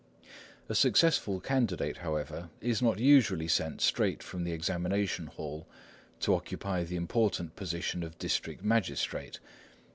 A successful candidate, however, is not usually sent straight from the examination hall to occupy the important position of district magistrate.